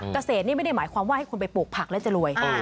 เกษตรนี่ไม่ได้หมายความว่าให้คุณไปปลูกผักแล้วจะรวย